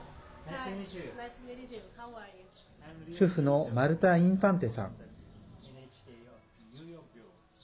主婦のマルタ・インファンテさん。